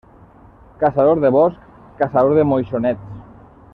Caçador de bosc, caçador de moixonets.